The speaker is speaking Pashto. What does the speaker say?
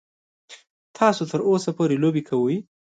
تاسو تر اوسه پورې لوبې کوئ.